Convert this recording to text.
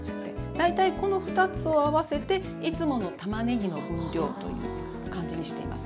大体この２つを合わせていつものたまねぎの分量という感じにしています今日は。